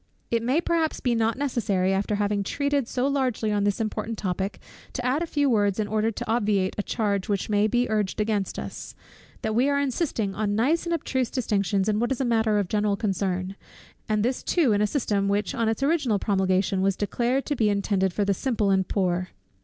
It may perhaps be not unnecessary, after having treated so largely on this important topic, to add a few words in order to obviate a charge which may be urged against us, that we are insisting on nice and abstruse distinctions in what is a matter of general concern; and this too in a system, which on its original promulgation was declared to be peculiarly intended for the simple and poor.